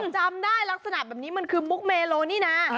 จำได้ลักษณะแบบนี้มันคือมุกเมโลนี่นะ